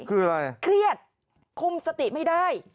พี่เบิร์ตคุมสติไม่ได้